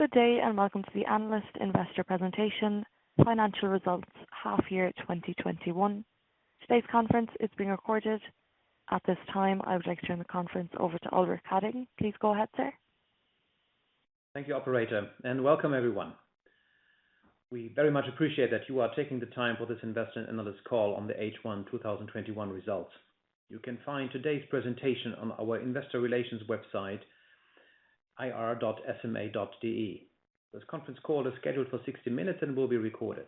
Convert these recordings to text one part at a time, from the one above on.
Good day, and welcome to the analyst investor presentation financial results half year 2021. Today's conference is being recorded. At this time, I would like to turn the conference over to Ulrich Hadding. Please go ahead, sir. Thank you, operator, and welcome everyone. We very much appreciate that you are taking the time for this investor and analyst call on the H1 2021 results. You can find today's presentation on our investor relations website, ir.sma.de. This conference call is scheduled for 60 minutes and will be recorded.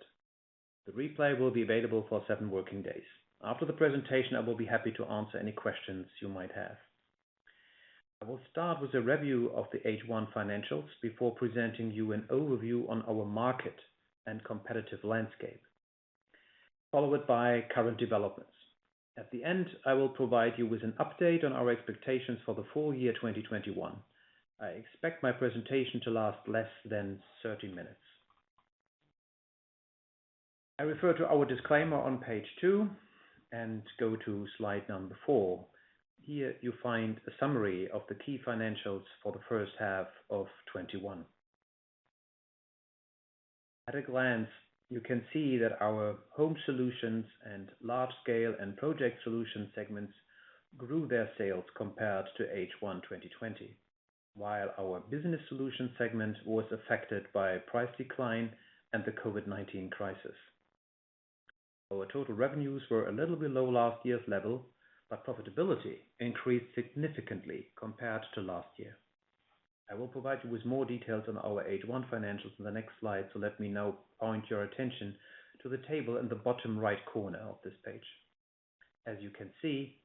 The replay will be available for seven working days. After the presentation, I will be happy to answer any questions you might have. I will start with a review of the H1 financials before presenting you an overview on our market and competitive landscape, followed by current developments. At the end, I will provide you with an update on our expectations for the full year 2021. I expect my presentation to last less than 30 minutes. I refer to our disclaimer on page 2 and go to slide number 4. Here you find a summary of the key financials for the first half of 2021. At a glance, you can see that our Home Solutions and Large Scale & Project Solutions segments grew their sales compared to H1 2020. While our Business Solutions segment was affected by price decline and the COVID-19 crisis. Our total revenues were a little bit lower last year's level, but profitability increased significantly compared to last year. I will provide you with more details on our H1 financials in the next slide, so let me now point your attention to the table in the bottom right corner of this page. As you can see,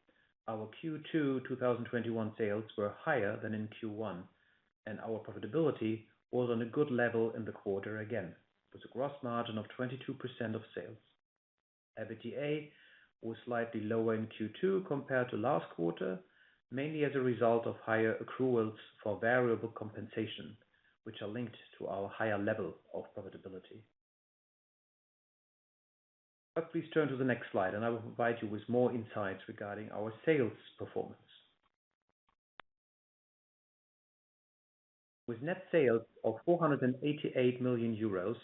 our Q2 2021 sales were higher than in Q1, and our profitability was on a good level in the quarter again, with a gross margin of 22% of sales. EBITDA was slightly lower in Q2 compared to last quarter, mainly as a result of higher accruals for variable compensation, which are linked to our higher level of profitability. Please turn to the next slide and I will provide you with more insights regarding our sales performance. With net sales of 488 million euros,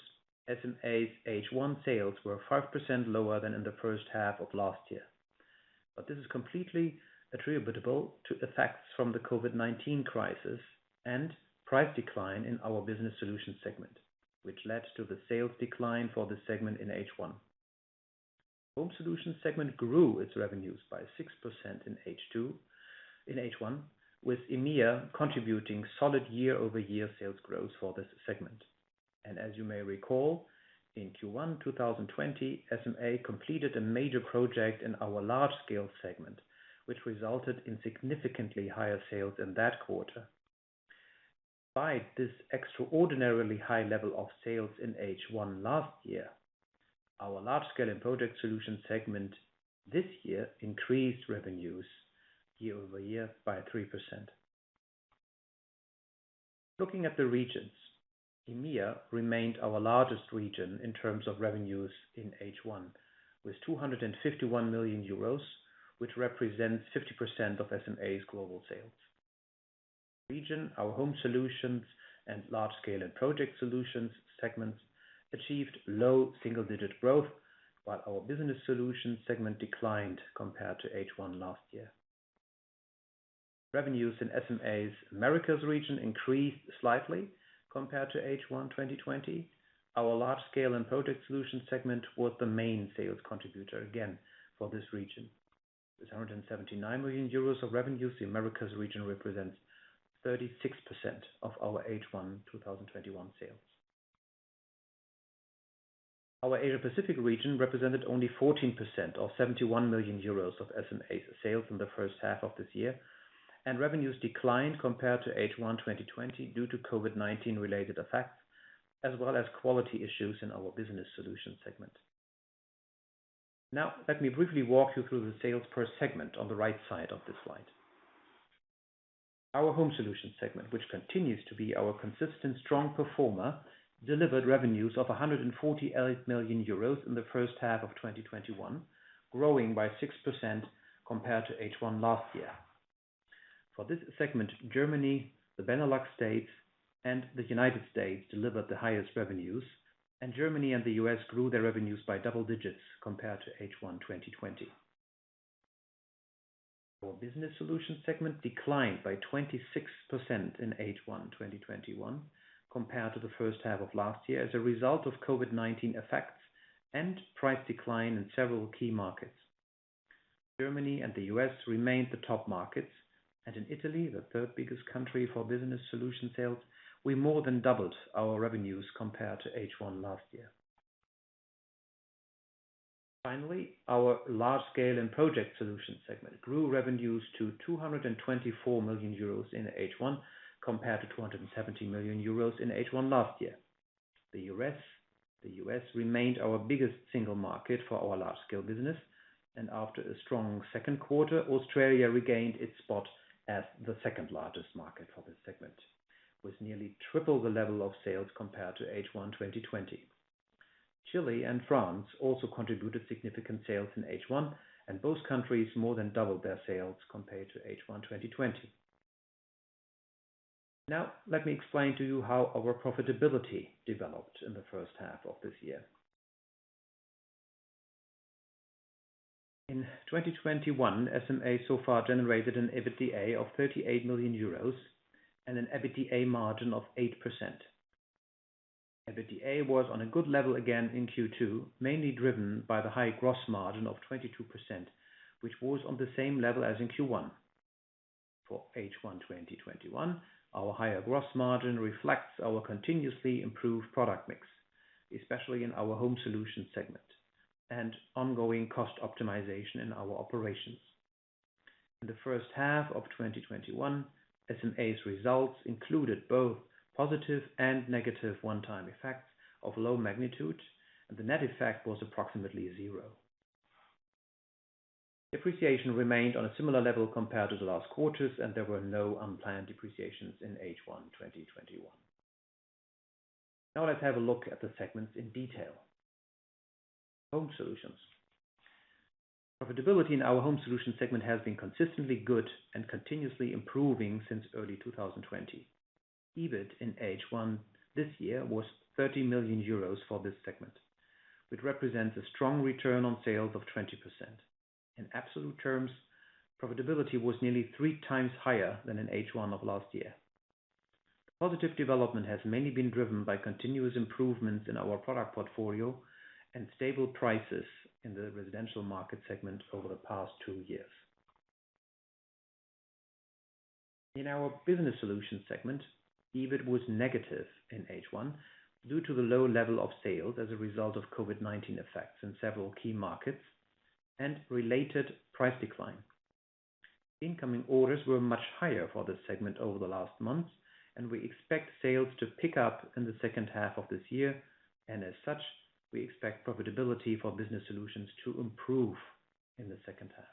SMA's H1 sales were 5% lower than in the first half of last year. This is completely attributable to effects from the COVID-19 crisis and price decline in our Business Solutions segment, which led to the sales decline for the segment in H1. Home Solutions segment grew its revenues by 6% in H1, with EMEA contributing solid year-over-year sales growth for this segment. As you may recall, in Q1 2020, SMA completed a major project in our Large Scale segment, which resulted in significantly higher sales in that quarter. By this extraordinarily high level of sales in H1 last year, our Large Scale & Project Solutions segment this year increased revenues year-over-year by 3%. Looking at the regions, EMEA remained our largest region in terms of revenues in H1, with 251 million euros, which represents 50% of SMA's global sales. Our Home Solutions and Large Scale & Project Solutions segments achieved low single-digit growth while our Business Solutions segment declined compared to H1 last year. Revenues in SMA's Americas region increased slightly compared to H1 2020. Our Large Scale & Project Solutions segment was the main sales contributor again for this region. With 179 million euros of revenues, the Americas region represents 36% of our H1 2021 sales. Our Asia Pacific region represented only 14%, or 71 million euros of SMA's sales in the first half of this year. Revenues declined compared to H1 2020 due to COVID-19 related effects, as well as quality issues in our Business Solutions segment. Now, let me briefly walk you through the sales per segment on the right side of this slide. Our Home Solutions segment, which continues to be our consistent strong performer, delivered revenues of 148 million euros in the first half of 2021, growing by 6% compared to H1 last year. For this segment, Germany, the Benelux states, and the U.S. delivered the highest revenues, and Germany and the U.S. grew their revenues by double digits compared to H1 2020. Our Business Solutions segment declined by 26% in H1 2021 compared to the first half of last year, as a result of COVID-19 effects and price decline in several key markets. Germany and the U.S. remained the top markets, and in Italy, the 3rd biggest country for Business Solutions sales, we more than doubled our revenues compared to H1 last year. Finally our Large Scale & Project Solutions segment grew revenues to 224 million euros in H1 compared to 217 million euros in H1 last year. The U.S. remained our biggest single market for our large-scale business, and after a strong 2nd quarter, Australia regained its spot as the 2nd largest market for this segment, with nearly tripple the level of sales compared to H1 2020. Chile and France also contributed significant sales in H1, and both countries more than doubled their sales compared to H1 2020. Let me explain to you how our profitability developed in the first half of this year. In 2021, SMA so far generated an EBITDA of 38 million euros and an EBITDA margin of 8%. EBITDA was on a good level again in Q2, mainly driven by the high gross margin of 22%, which was on the same level as in Q1. For H1 2021, our higher gross margin reflects our continuously improved product mix, especially in our Home Solutions segment, and ongoing cost optimization in our operations. In the first half of 2021, SMA's results included both positive and negative one-time effects of low magnitude, and the net effect was approximately 0. Depreciation remained on a similar level compared to the last quarters, and there were no unplanned depreciations in H1 2021. Let's have a look at the segments in detail. Home Solutions. Profitability in our Home Solutions segment has been consistently good and continuously improving since early 2020. EBIT in H1 this year was 30 million euros for this segment, which represents a strong return on sales of 20%. In absolute terms, profitability was nearly three times higher than in H1 of last year. Positive development has mainly been driven by continuous improvements in our product portfolio and stable prices in the residential market segment over the past two years. In our Business Solutions segment, EBIT was negative in H1 due to the low level of sales as a result of COVID-19 effects in several key markets and related price decline. Incoming orders were much higher for this segment over the last months, and we expect sales to pick up in the second half of this year, and as such, we expect profitability for Business Solutions to improve in the second half.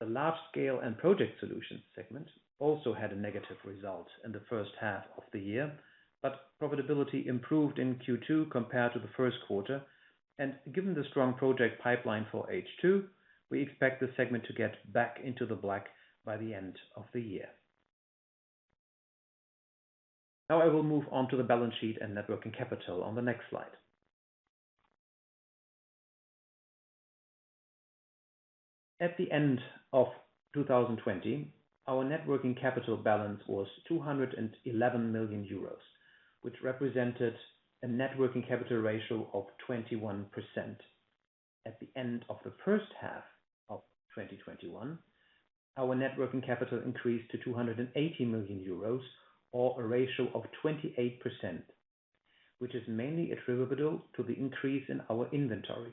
The Large Scale & Project Solutions segment also had a negative result in the first half of the year, but profitability improved in Q2 compared to the first quarter, and given the strong project pipeline for H2, we expect this segment to get back into the black by the end of the year. I will move on to the balance sheet and net working capital on the next slide. At the end of 2020, our net working capital balance was 211 million euros, which represented a net working capital ratio of 21%. At the end of the first half of 2021, our net working capital increased to 280 million euros or a ratio of 28%, which is mainly attributable to the increase in our inventories.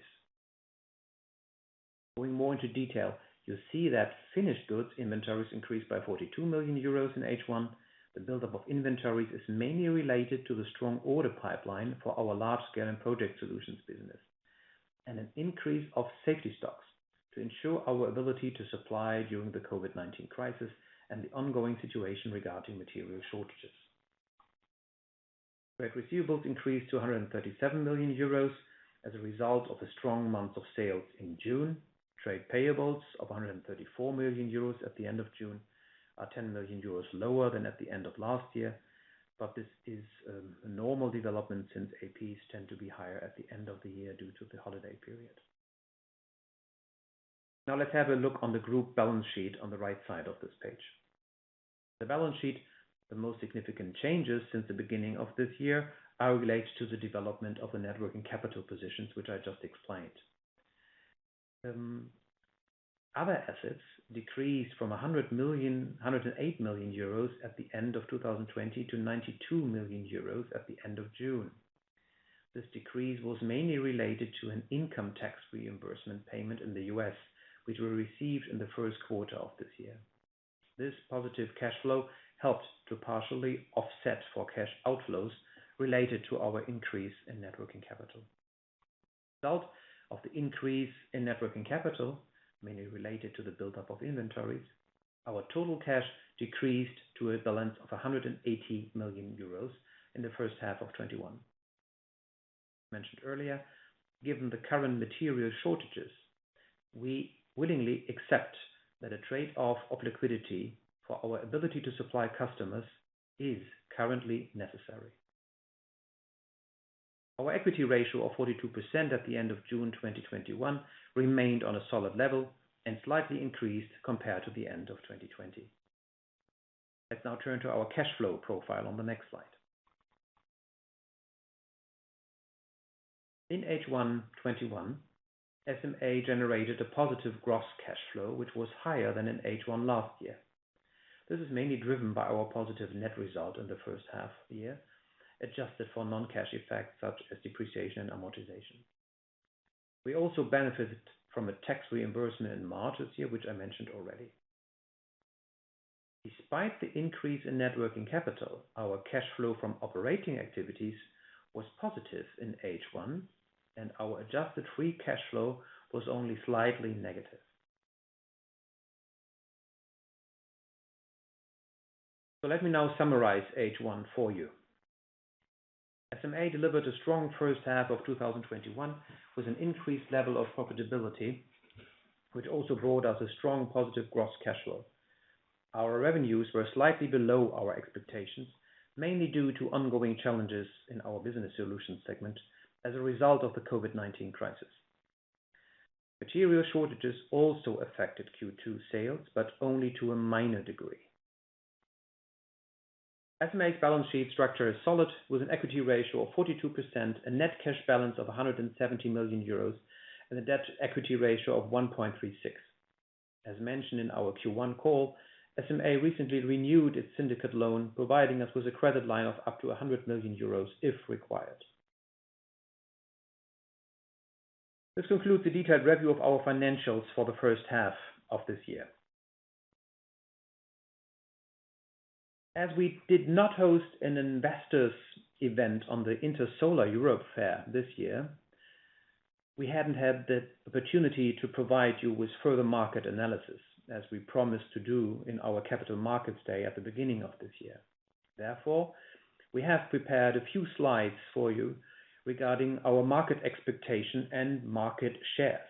Going more into detail, you'll see that finished goods inventories increased by 42 million euros in H1. The buildup of inventories is mainly related to the strong order pipeline for our Large Scale & Project Solutions business, and an increase of safety stocks to ensure our ability to supply during the COVID-19 crisis and the ongoing situation regarding material shortages. Trade receivables increased to 137 million euros as a result of the strong month of sales in June. Trade payables of 134 million euros at the end of June are 10 million euros lower than at the end of last year. This is a normal development since APs tend to be higher at the end of the year due to the holiday period. Now let's have a look on the group balance sheet on the right side of this page. The balance sheet, the most significant changes since the beginning of this year are related to the development of the net working capital positions, which I just explained. Other assets decreased from 108 million euros at the end of 2020 to 92 million euros at the end of June. This decrease was mainly related to an income tax reimbursement payment in the U.S., which we received in the first quarter of this year. This positive cash flow helped to partially offset for cash outflows related to our increase in net working capital. Result of the increase in net working capital, mainly related to the buildup of inventories, our total cash decreased to a balance of 180 million euros in the first half of 2021. Mentioned earlier, given the current material shortages, we willingly accept that a trade-off of liquidity for our ability to supply customers is currently necessary. Our equity ratio of 42% at the end of June 2021 remained on a solid level and slightly increased compared to the end of 2020. Let's now turn to our cash flow profile on the next slide. In H1 2021, SMA generated a positive gross cash flow, which was higher than in H1 last year. This is mainly driven by our positive net result in the first half of the year, adjusted for non-cash effects such as depreciation and amortization. We also benefited from a tax reimbursement in March this year, which I mentioned already. Despite the increase in net working capital, our cash flow from operating activities was positive in H1, and our adjusted free cash flow was only slightly negative. Let me now summarize H1 for you. SMA delivered a strong first half of 2021 with an increased level of profitability, which also brought us a strong positive gross cash flow. Our revenues were slightly below our expectations, mainly due to ongoing challenges in our Business Solutions segment as a result of the COVID-19 crisis. Material shortages also affected Q2 sales, but only to a minor degree. SMA's balance sheet structure is solid, with an equity ratio of 42%, a net cash balance of 170 million euros, and a debt equity ratio of 1.36. As mentioned in our Q1 call, SMA recently renewed its syndicate loan, providing us with a credit line of up to 100 million euros if required. This concludes the detailed review of our financials for the first half of this year. As we did not host an investors event on the Intersolar Europe fair this year, we haven't had the opportunity to provide you with further market analysis as we promised to do in our capital markets day at the beginning of this year. We have prepared a few slides for you regarding our market expectation and market shares.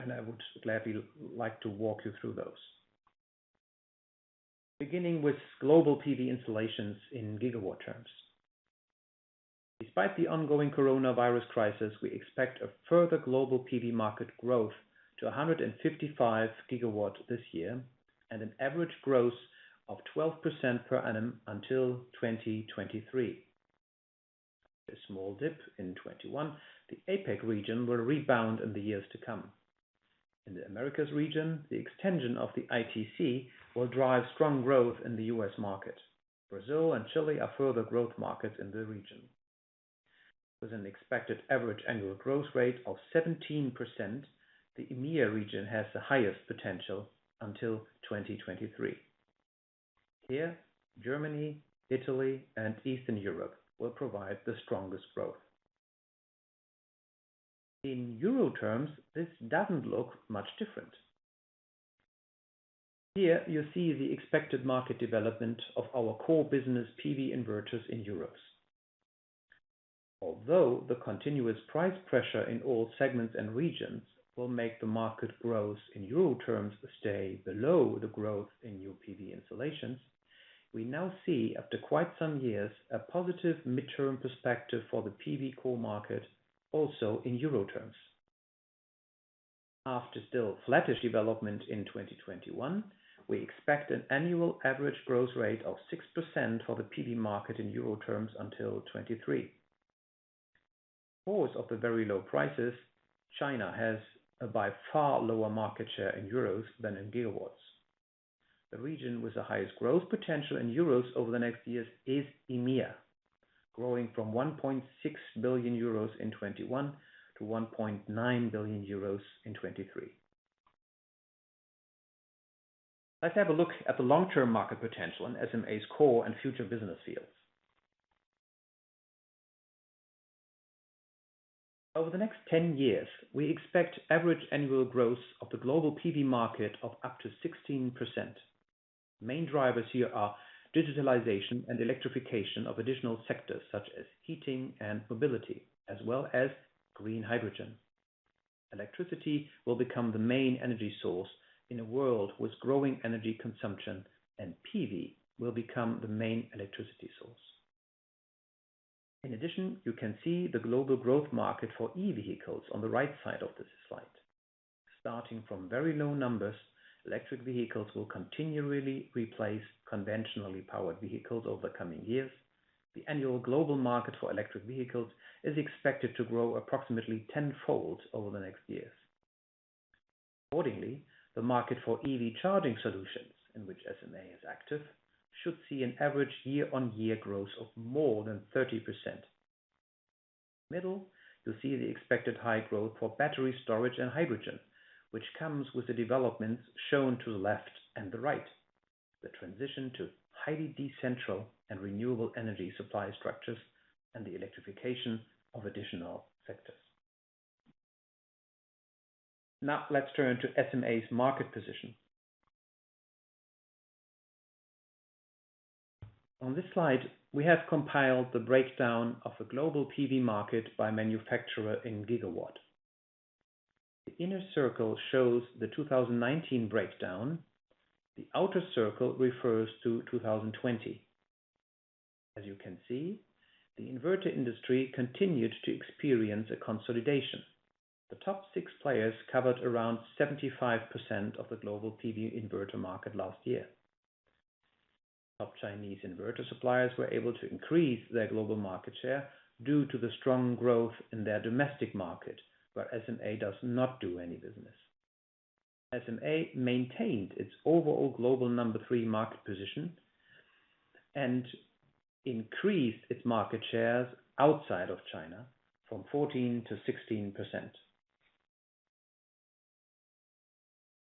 I would gladly like to walk you through those. Beginning with global PV installations in GW terms. Despite the ongoing coronavirus crisis, we expect a further global PV market growth to 155 GW this year, and an average growth of 12% per annum until 2023. A small dip in 2021, the APAC region will rebound in the years to come. In the Americas region, the extension of the ITC will drive strong growth in the U.S. market. Brazil and Chile are further growth markets in the region. With an expected average annual growth rate of 17%, the EMEA region has the highest potential until 2023. Here, Germany, Italy, and Eastern Europe will provide the strongest growth. In euro terms, this doesn't look much different. Here you see the expected market development of our core business PV inverters in EUR. Although the continuous price pressure in all segments and regions will make the market growth in EUR terms stay below the growth in new PV installations, we now see, after quite some years, a positive midterm perspective for the PV core market also in EUR terms. After still flattish development in 2021, we expect an annual average growth rate of 6% for the PV market in EUR terms until 2023. Of the very low prices, China has a by far lower market share in EUR than in gigawatts. The region with the highest growth potential in EUR over the next years is EMEA, growing from 1.6 billion euros in 2021-EUR 1.9 billion in 2023. Let's have a look at the long-term market potential in SMA's core and future business fields. Over the next 10 years, we expect average annual growth of the global PV market of up to 16%. Main drivers here are digitalization and electrification of additional sectors such as heating and mobility, as well as green hydrogen. Electricity will become the main energy source in a world with growing energy consumption, and PV will become the main electricity source. In addition, you can see the global growth market for E-vehicles on the right side of this slide. Starting from very low numbers, electric vehicles will continually replace conventionally powered vehicles over the coming years. The annual global market for electric vehicles is expected to grow approximately tenfold over the next years. Accordingly, the market for EV charging solutions, in which SMA is active, should see an average year-on-year growth of more than 30%. Middle, you see the expected high growth for battery storage and hydrogen, which comes with the developments shown to the left and the right, the transition to highly decentral and renewable energy supply structures and the electrification of additional sectors. Now let's turn to SMA's market position. On this slide, we have compiled the breakdown of the global PV market by manufacturer in gigawatt. The inner circle shows the 2019 breakdown. The outer circle refers to 2020. As you can see, the inverter industry continued to experience a consolidation. The top six players covered around 75% of the global PV inverter market last year. Top Chinese inverter suppliers were able to increase their global market share due to the strong growth in their domestic market, where SMA does not do any business. SMA maintained its overall global number 3 market position and increased its market shares outside of China from 14%-16%.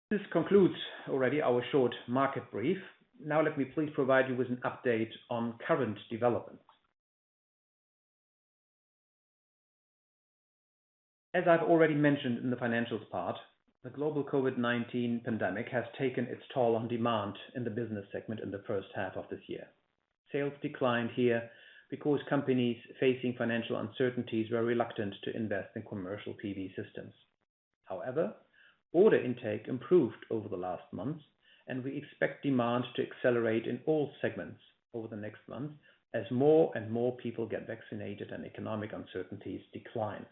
This concludes already our short market brief. Let me please provide you with an update on current developments. As I've already mentioned in the financials part, the global COVID-19 pandemic has taken its toll on demand in the Business Solutions segment in the first half of this year. Sales declined here because companies facing financial uncertainties were reluctant to invest in commercial PV systems. Order intake improved over the last months, and we expect demand to accelerate in all segments over the next months as more and more people get vaccinated and economic uncertainties decline.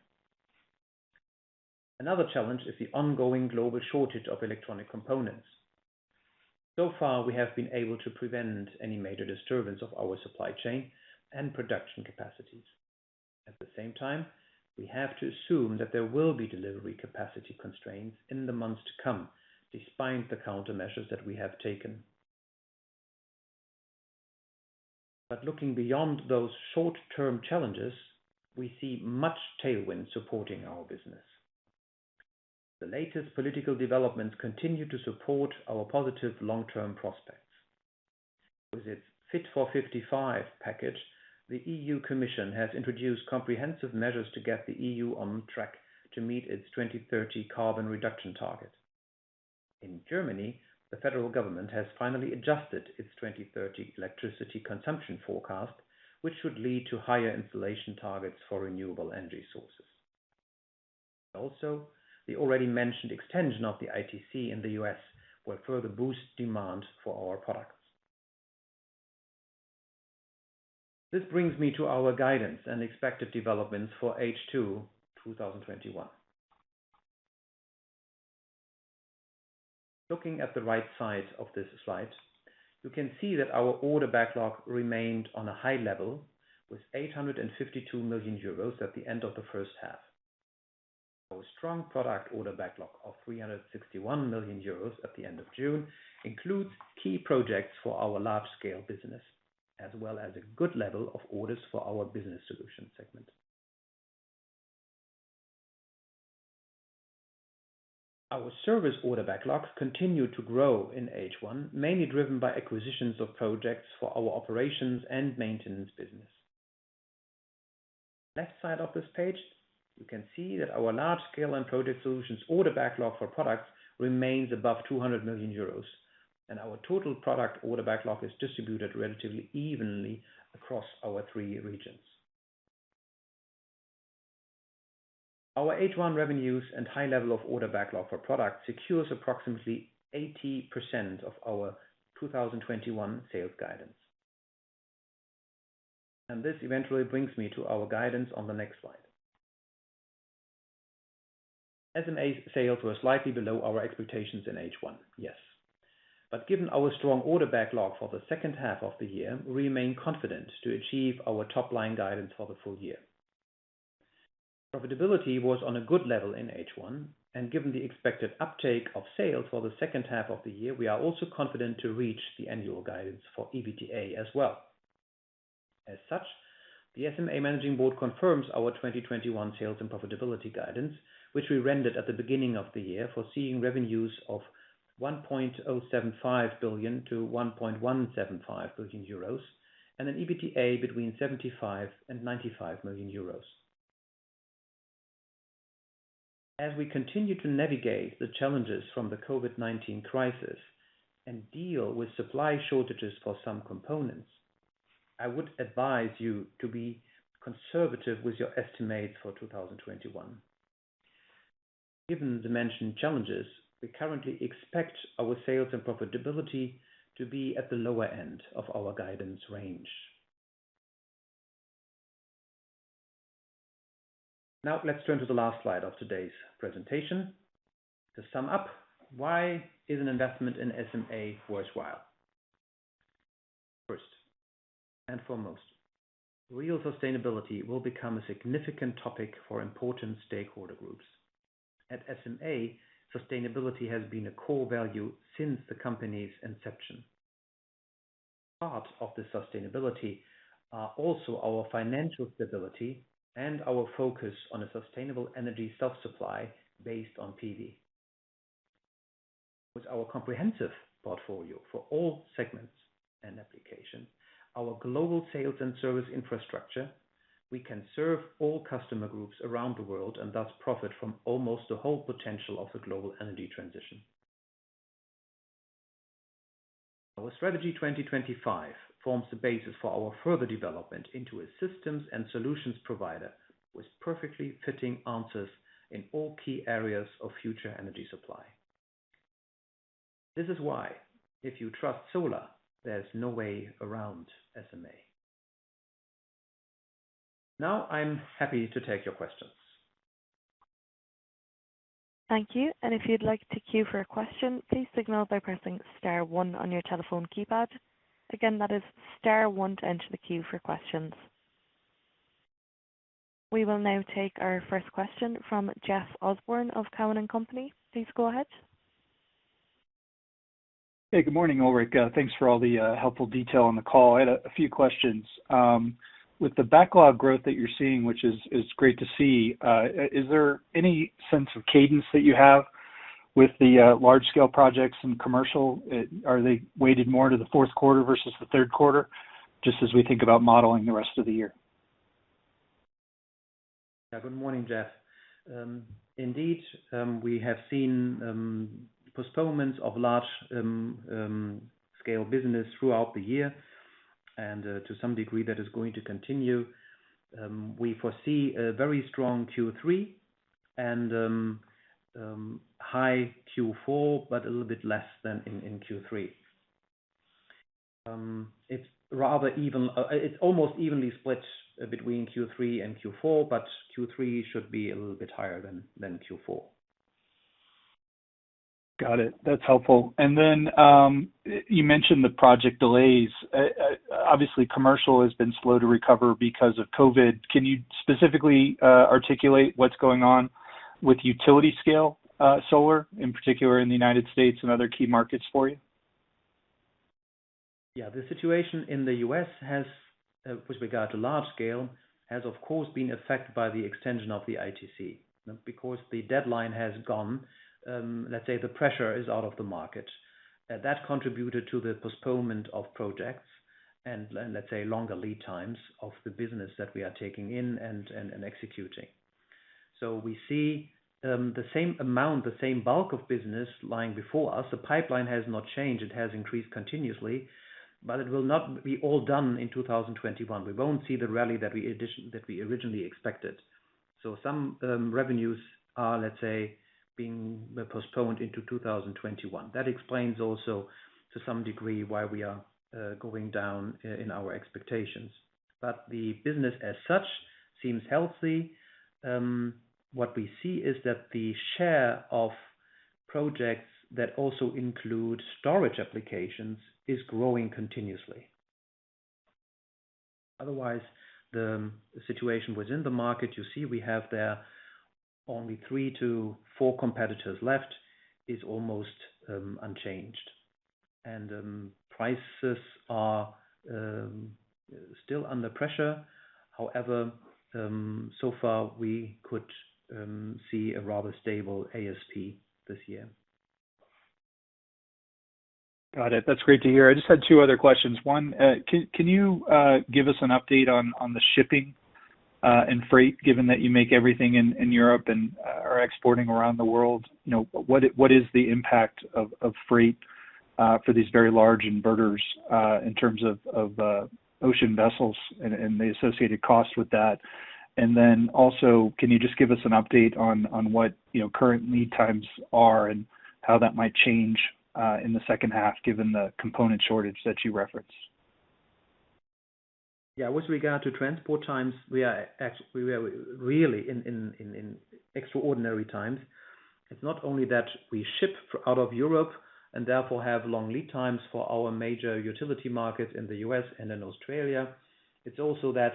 Another challenge is the ongoing global shortage of electronic components. So far, we have been able to prevent any major disturbance of our supply chain and production capacities. At the same time, we have to assume that there will be delivery capacity constraints in the months to come, despite the countermeasures that we have taken. Looking beyond those short-term challenges, we see much tailwind supporting our business. The latest political developments continue to support our positive long-term prospects. With its Fit for 55 package, the EU Commission has introduced comprehensive measures to get the EU on track to meet its 2030 carbon reduction target. In Germany, the federal government has finally adjusted its 2030 electricity consumption forecast, which should lead to higher installation targets for renewable energy sources. The already mentioned extension of the ITC in the U.S. will further boost demand for our products. This brings me to our guidance and expected developments for H2 2021. Looking at the right side of this slide, you can see that our order backlog remained on a high level, with 852 million euros at the end of the first half. Our strong product order backlog of 361 million euros at the end of June includes key projects for our Large Scale & Project Solutions, as well as a good level of orders for our Business Solutions segment. Our service order backlogs continued to grow in H1, mainly driven by acquisitions of projects for our operations and maintenance business. Left side of this page, you can see that our Large Scale & Project Solutions order backlog for products remains above 200 million euros, and our total product order backlog is distributed relatively evenly across our three regions. Our H1 revenues and high level of order backlog for product secures approximately 80% of our 2021 sales guidance. This eventually brings me to our guidance on the next slide. SMA sales were slightly below our expectations in H1, yes. Given our strong order backlog for the second half of the year, we remain confident to achieve our top-line guidance for the full year. Profitability was on a good level in H1, and given the expected uptake of sales for the second half of the year, we are also confident to reach the annual guidance for EBITDA as well. The SMA Managing Board confirms our 2021 sales and profitability guidance, which we rendered at the beginning of the year, foreseeing revenues of 1.075 billion-1.175 billion euros, and an EBITDA between 75 million and 95 million euros. As we continue to navigate the challenges from the COVID-19 crisis and deal with supply shortages for some components, I would advise you to be conservative with your estimates for 2021. Given the mentioned challenges, we currently expect our sales and profitability to be at the lower end of our guidance range. Let's turn to the last slide of today's presentation. To sum up, why is an investment in SMA worthwhile? First and foremost, real sustainability will become a significant topic for important stakeholder groups. At SMA, sustainability has been a core value since the company's inception. Part of the sustainability are also our financial stability and our focus on a sustainable energy self-supply based on PV. With our comprehensive portfolio for all segments and application, our global sales and service infrastructure, we can serve all customer groups around the world, and thus profit from almost the whole potential of the global energy transition. Our Strategy 2025 forms the basis for our further development into a systems and solutions provider, with perfectly fitting answers in all key areas of future energy supply. This is why, if you trust solar, there's no way around SMA. Now, I'm happy to take your questions. Thank you. If you'd like to queue for a question, please signal by pressing star one on your telephone keypad. Again, that is star one to enter the queue for questions. We will now take our first question from Jeff Osborne of Cowen and Company. Please go ahead. Hey, good morning, Ulrich. Thanks for all the helpful detail on the call. I had a few questions. With the backlog growth that you're seeing, which is great to see, is there any sense of cadence that you have? With the large-scale projects and commercial, are they weighted more to the fourth quarter versus the third quarter, just as we think about modeling the rest of the year? Yeah. Good morning, Jeff. Indeed, we have seen postponements of large-scale business throughout the year and, to some degree, that is going to continue. We foresee a very strong Q3 and high Q4, a little bit less than in Q3. It's almost evenly split between Q3 and Q4, Q3 should be a little bit higher than Q4. Got it. That's helpful. You mentioned the project delays. Obviously, commercial has been slow to recover because of COVID-19. Can you specifically articulate what's going on with utility-scale solar, in particular in the U.S. and other key markets for you? Yeah. The situation in the U.S., with regard to large scale, has, of course, been affected by the extension of the ITC. The deadline has gone, let's say the pressure is out of the market. That contributed to the postponement of projects and, let's say, longer lead times of the business that we are taking in and executing. We see the same amount, the same bulk of business lying before us. The pipeline has not changed. It has increased continuously. It will not be all done in 2021. We won't see the rally that we originally expected. Some revenues are, let's say, being postponed into 2021. That explains also, to some degree, why we are going down in our expectations. The business as such seems healthy. What we see is that the share of projects that also include storage applications is growing continuously. Otherwise, the situation within the market, you see we have there only three to four competitors left, is almost unchanged. Prices are still under pressure. However, so far, we could see a rather stable ASP this year. Got it. That's great to hear. I just had two other questions. One, can you give us an update on the shipping and freight, given that you make everything in Europe and are exporting around the world? What is the impact of freight for these very large inverters in terms of ocean vessels and the associated cost with that? Also, can you just give us an update on what current lead times are and how that might change in the second half, given the component shortage that you referenced? Yeah. With regard to transport times, we are really in extraordinary times. It's not only that we ship out of Europe and therefore have long lead times for our major utility markets in the U.S. and in Australia, it's also that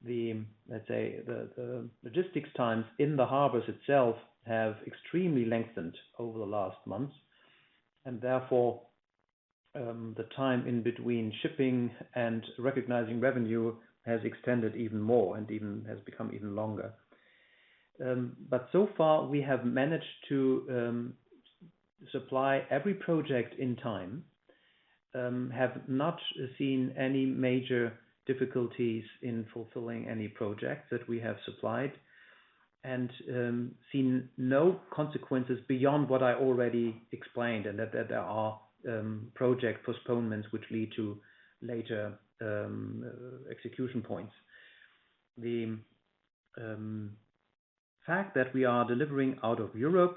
the, let's say, the logistics times in the harbors itself have extremely lengthened over the last months, and therefore, the time in between shipping and recognizing revenue has extended even more and has become even longer. So far, we have managed to supply every project in time, have not seen any major difficulties in fulfilling any project that we have supplied, and seen no consequences beyond what I already explained, and that there are project postponements which lead to later execution points. The fact that we are delivering out of Europe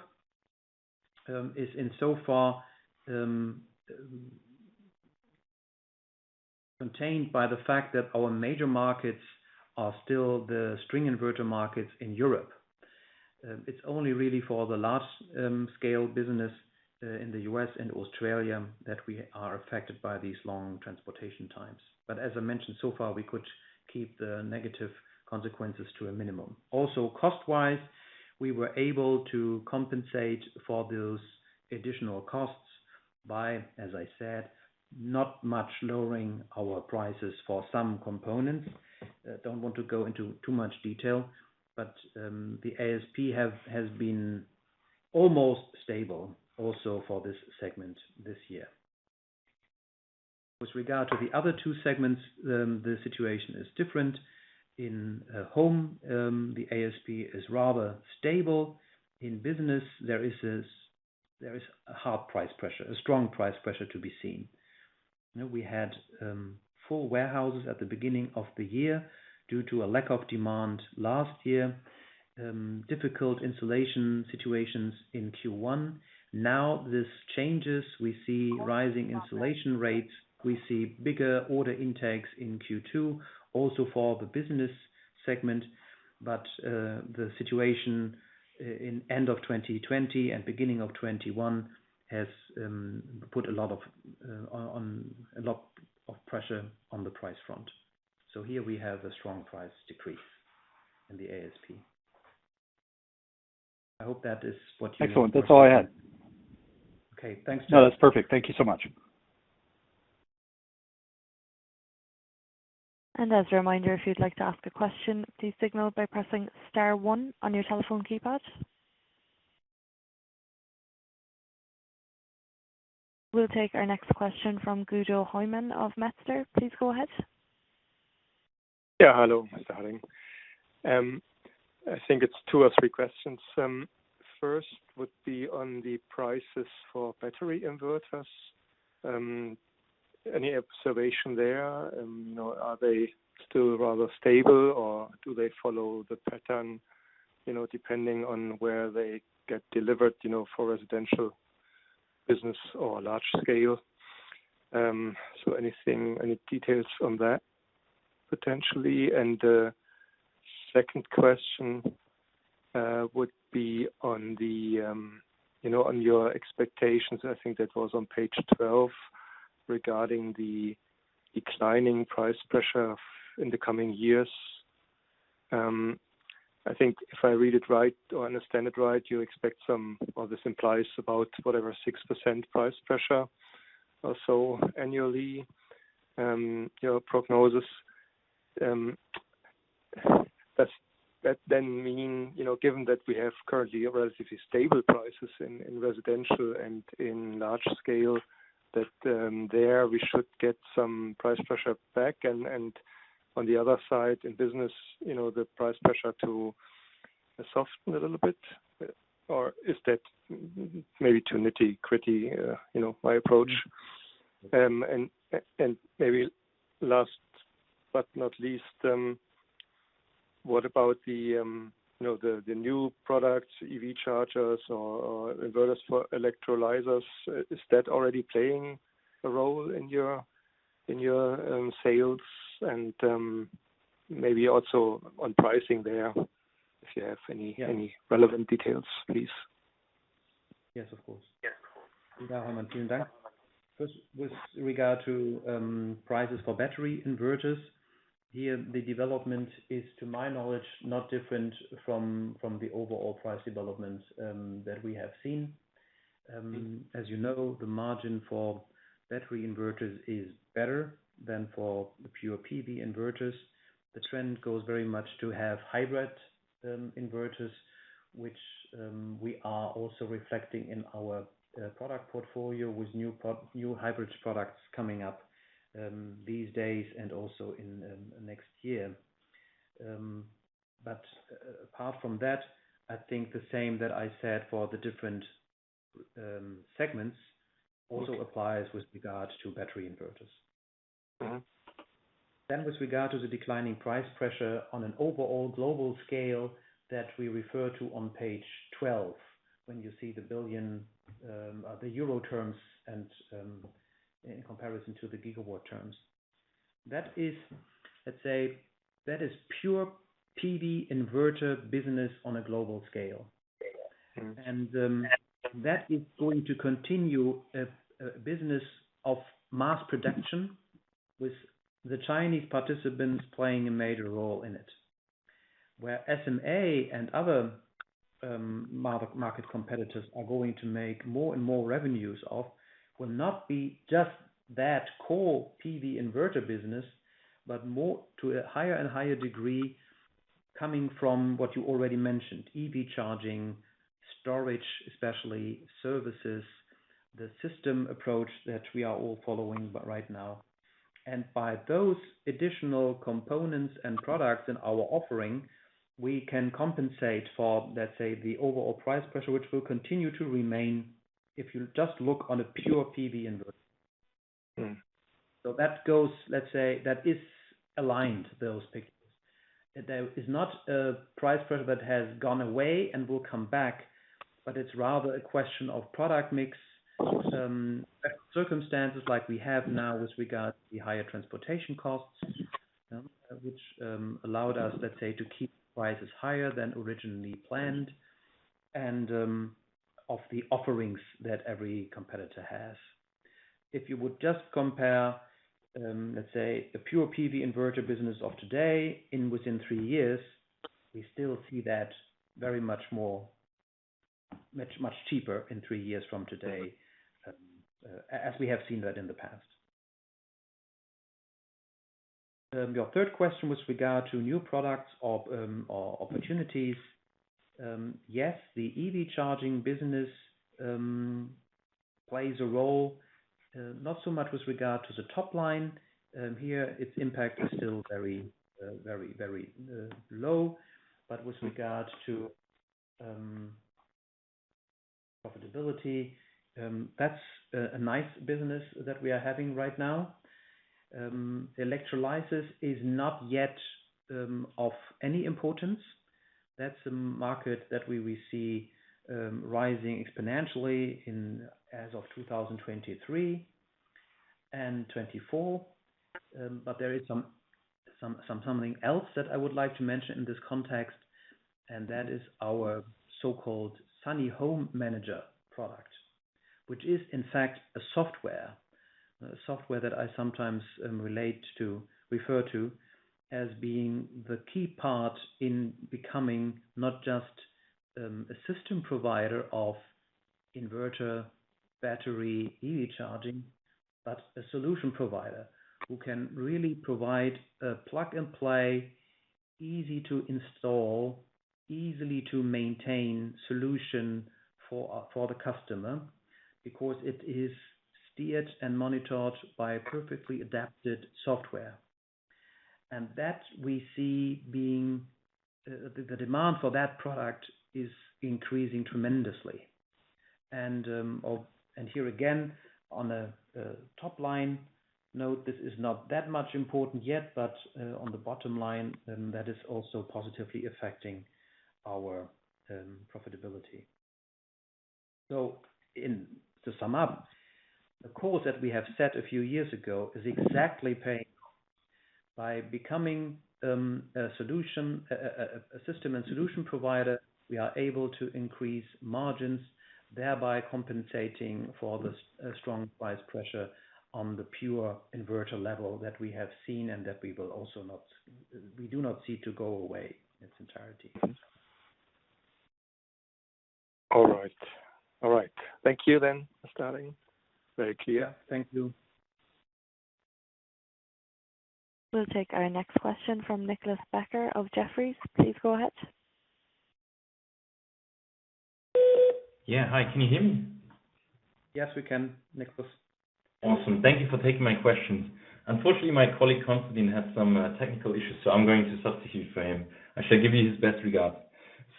is in so far contained by the fact that our major markets are still the string inverter markets in Europe. It's only really for the large-scale business in the U.S. and Australia that we are affected by these long transportation times. As I mentioned, so far, we could keep the negative consequences to a minimum. Also, cost-wise, we were able to compensate for those additional costs by, as I said, not much lowering our prices for some components. Don't want to go into too much detail, but the ASP has been almost stable also for this segment this year. With regard to the other two segments, the situation is different. In Home, the ASP is rather stable. In Business, there is a hard price pressure, a strong price pressure to be seen. We had full warehouses at the beginning of the year due to a lack of demand last year, difficult installation situations in Q1. This changes. We see rising installation rates. We see bigger order intakes in Q2, also for the Business Solutions segment, the situation in end of 2020 and beginning of 2021 has put a lot of pressure on the price front. Here we have a strong price decrease in the ASP. Excellent. That's all I had. Okay. Thanks, Jeff. No, that's perfect. Thank you so much. As a reminder, if you'd like to ask a question, please signal by pressing star one on your telephone keypad. We'll take our next question from Guido Hoymann of Metzler. Please go ahead. Yeah. Hello. I think it's two or three questions. First would be on the prices for battery inverters. Any observation there? Are they still rather stable, or do they follow the pattern, depending on where they get delivered for residential business or large scale? Anything, any details on that potentially? The second question would be on your expectations, I think that was on page 12, regarding the declining price pressure in the coming years. I think if I read it right or understand it right, you expect some, or this implies about whatever 6% price pressure or so annually, your prognosis. Does that then mean, given that we have currently relatively stable prices in residential and in large scale, that there we should get some price pressure back and on the other side, in business, the price pressure to soften a little bit? Is that maybe too nitty-gritty, my approach? Maybe last but not least, what about the new products, EV chargers or inverters for electrolyzers? Is that already playing a role in your sales and maybe also on pricing there, if you have any relevant details, please? Yes, of course. Guido Hoymann, thank you. First, with regard to prices for battery inverters, here the development is, to my knowledge, not different from the overall price development that we have seen. As you know, the margin for battery inverters is better than for the pure PV inverters. The trend goes very much to have hybrid inverters, which we are also reflecting in our product portfolio with new hybrid products coming up these days and also in next year. Apart from that, I think the same that I said for the different segments also applies with regard to battery inverters. With regard to the declining price pressure on an overall global scale that we refer to on page 12, when you see the billion, the EUR terms and in comparison to the gigawatt terms. That is pure PV inverter business on a global scale. That is going to continue a business of mass production with the Chinese participants playing a major role in it. Where SMA and other market competitors are going to make more and more revenues of will not be just that core PV inverter business, but more to a higher and higher degree coming from what you already mentioned, EV charging, storage, especially services, the system approach that we are all following right now. By those additional components and products in our offering, we can compensate for, let's say, the overall price pressure, which will continue to remain if you just look on a pure PV inverter. That is aligned, those pictures. There is not a price pressure that has gone away and will come back, but it's rather a question of product mix, some circumstances like we have now with regard to the higher transportation costs, which allowed us, let's say, to keep prices higher than originally planned and of the offerings that every competitor has. If you would just compare, let's say, the pure PV inverter business of today and within three years, we still see that very much cheaper in three years from today, as we have seen that in the past. Your third question with regard to new products or opportunities. Yes, the EV charging business plays a role, not so much with regard to the top line. Here, its impact is still very low, but with regard to profitability, that's a nice business that we are having right now. Electrolyzers is not yet of any importance. That's a market that we will see rising exponentially as of 2023 and 2024. There is something else that I would like to mention in this context, and that is our so-called Sunny Home Manager product, which is in fact a software. A software that I sometimes refer to as being the key part in becoming not just a system provider of inverter, battery, EV charging, but a solution provider who can really provide a plug-and-play, easy-to-install, easy-to-maintain solution for the customer because it is steered and monitored by a perfectly adapted software. The demand for that product is increasing tremendously. Here again, on the top line note, this is not that much important yet, but on the bottom line, that is also positively affecting our profitability. To sum up, the course that we have set a few years ago is exactly paying off. By becoming a system and solution provider, we are able to increase margins, thereby compensating for the strong price pressure on the pure inverter level that we have seen and that we do not see to go away in its entirety. All right. Thank you then, Sterling. Very clear. Thank you. We'll take our next question from Nicholas Becker of Jefferies. Please go ahead. Yeah. Hi, can you hear me? Yes, we can, Nicholas. Awesome. Thank you for taking my questions. Unfortunately, my colleague, Constantin, had some technical issues, so I'm going to substitute for him. I shall give you his best regards.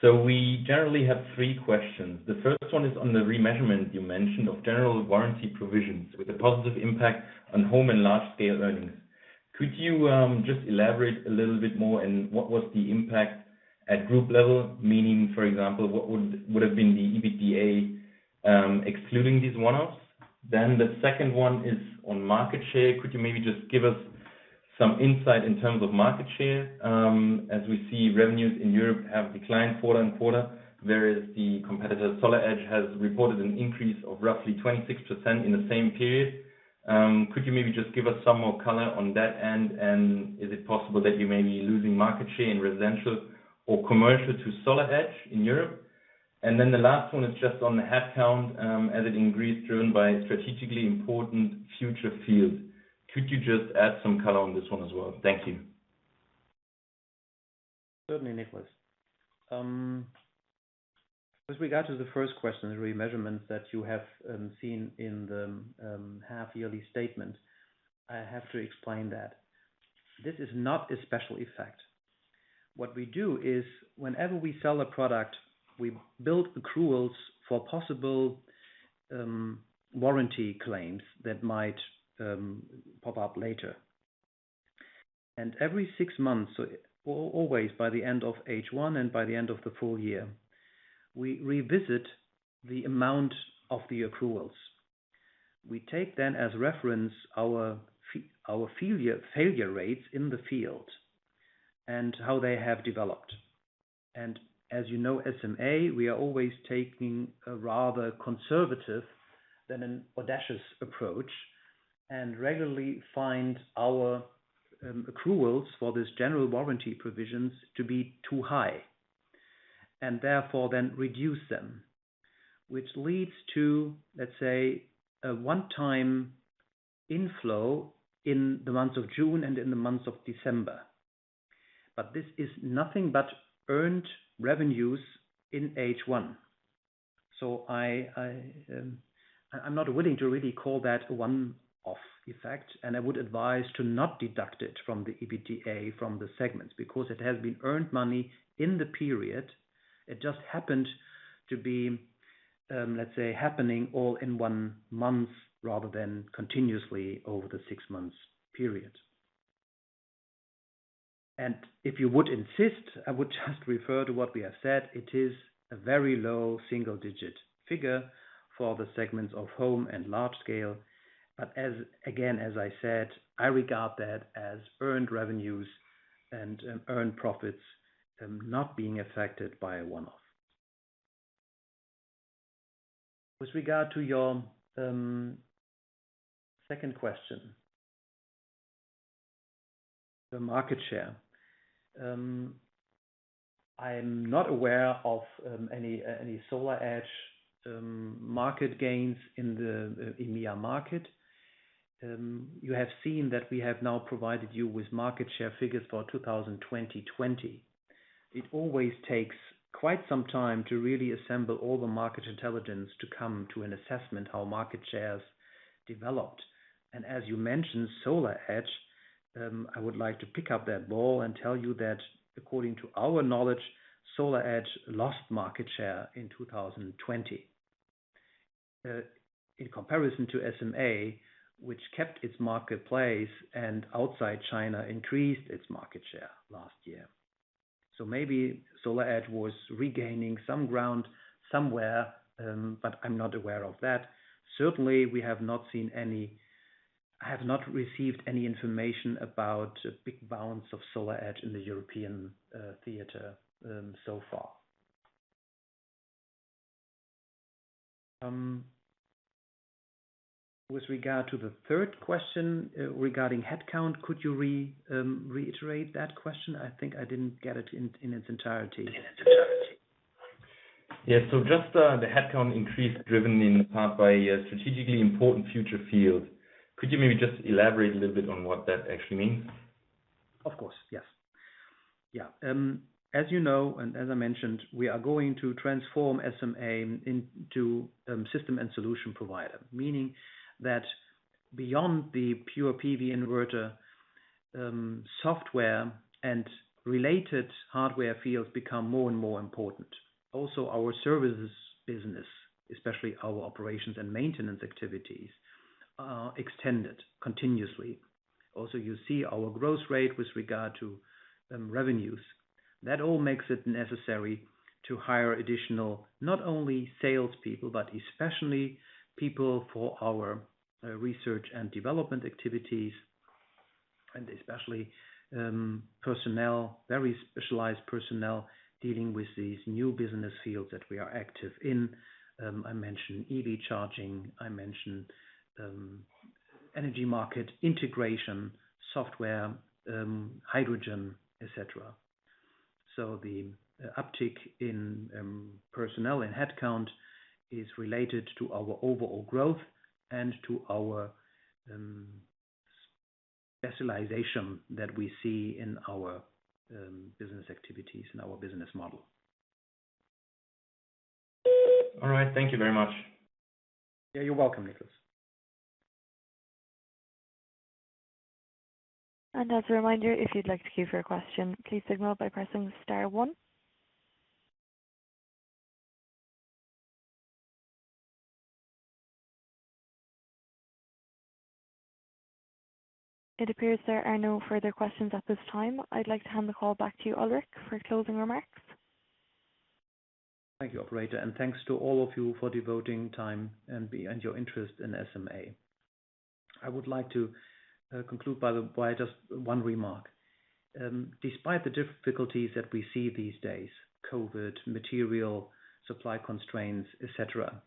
We generally have 3 questions. The first one is on the re-measurement you mentioned of general warranty provisions with a positive impact on Home Solutions and Large Scale & Project Solutions earnings. Could you just elaborate a little bit more and what was the impact at group level? Meaning, for example, what would have been the EBITDA excluding these one-offs. The second one is on market share. Could you maybe just give us some insight in terms of market share? As we see revenues in Europe have declined quarter-on-quarter, whereas the competitor, SolarEdge, has reported an increase of roughly 26% in the same period. Could you maybe just give us some more color on that end, and is it possible that you may be losing market share in residential or commercial to SolarEdge in Europe? The last one is just on the headcount, as it increased driven by strategically important future fields. Could you just add some color on this one as well? Thank you. Certainly, Nicholas. With regard to the first question, the re-measurements that you have seen in the half-yearly statement, I have to explain that. This is not a special effect. What we do is whenever we sell a product, we build accruals for possible warranty claims that might pop up later. Every six months, always by the end of H1 and by the end of the full year, we revisit the amount of the accruals. We take then as reference our failure rates in the field and how they have developed. As you know, SMA, we are always taking a rather conservative than an audacious approach and regularly find our accruals for these general warranty provisions to be too high, and therefore then reduce them. Which leads to, let's say, a one-time inflow in the months of June and in the months of December. This is nothing but earned revenues in H1. I'm not willing to really call that a one-off effect, and I would advise to not deduct it from the EBITDA from the segments, because it has been earned money in the period. It just happened to be, let's say, happening all in 1 month rather than continuously over the 6 months period. If you would insist, I would just refer to what we have said. It is a very low single-digit figure for the segments of Home and Large-Scale. Again, as I said, I regard that as earned revenues and earned profits not being affected by a one-off. With regard to your second question, the market share. I'm not aware of any SolarEdge market gains in the EMEA market. You have seen that we have now provided you with market share figures for 2020. It always takes quite some time to really assemble all the market intelligence to come to an assessment how market shares developed. As you mentioned, SolarEdge, I would like to pick up that ball and tell you that according to our knowledge, SolarEdge lost market share in 2020. In comparison to SMA, which kept its marketplace and outside China increased its market share last year. Maybe SolarEdge was regaining some ground somewhere, but I'm not aware of that. Certainly, I have not received any information about a big bounce of SolarEdge in the European theater so far. With regard to the third question regarding headcount, could you reiterate that question? I think I didn't get it in its entirety. Yes. Just the headcount increase driven in part by a strategically important future field. Could you maybe just elaborate a little bit on what that actually means? Of course. Yes. As you know, and as I mentioned, we are going to transform SMA into system and solution provider, meaning that beyond the pure PV inverter software and related hardware fields become more and more important. Also, our services business, especially our operations and maintenance activities, are extended continuously. Also, you see our growth rate with regard to revenues. That all makes it necessary to hire additional, not only salespeople, but especially people for our research and development activities, and especially very specialized personnel dealing with these new business fields that we are active in. I mentioned EV charging, I mentioned energy market integration, software, hydrogen, et cetera. The uptick in personnel and headcount is related to our overall growth and to our specialization that we see in our business activities and our business model. All right. Thank you very much. You're welcome, Nicholas. As a reminder, if you'd like to queue for a question, please signal by pressing star one. It appears there are no further questions at this time. I'd like to hand the call back to you, Ulrich, for closing remarks. Thank you, operator. Thanks to all of you for devoting time and your interest in SMA. I would like to conclude by just one remark. Despite the difficulties that we see these days, COVID, material, supply constraints, et cetera,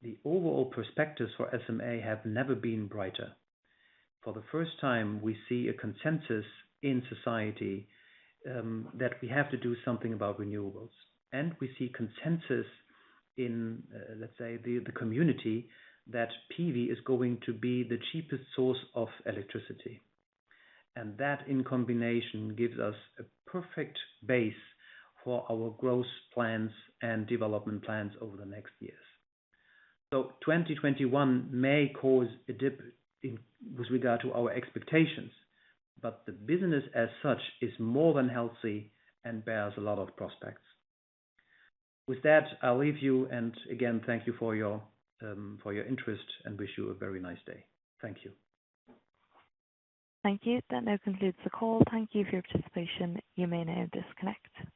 the overall perspectives for SMA have never been brighter. For the first time, we see a consensus in society that we have to do something about renewables. We see consensus in, let's say, the community that PV is going to be the cheapest source of electricity. That, in combination, gives us a perfect base for our growth plans and development plans over the next years. 2021 may cause a dip with regard to our expectations, but the business as such is more than healthy and bears a lot of prospects. With that, I'll leave you, and again, thank you for your interest and wish you a very nice day. Thank you. Thank you. That now concludes the call. Thank you for your participation. You may now disconnect.